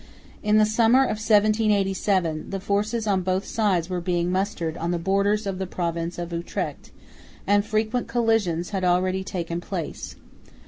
In the summer of 1787 the forces on both sides were being mustered on the borders of the province of Utrecht, and frequent collisions had already taken place.